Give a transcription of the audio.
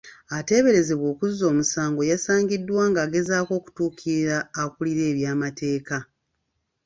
Ateeberezebwa okuzza omusango yasangiddwa ng'agezaako okutuukirira akuulira ebyamateeka